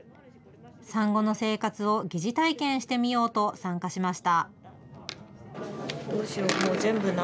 産後の生活を疑似体験してみようと参加しました。